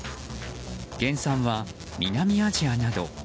原産は南アジアなど。